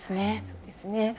そうですね。